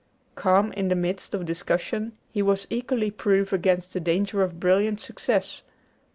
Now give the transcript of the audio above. Calm in the midst of discussion, he was equally proof against the danger of brilliant success.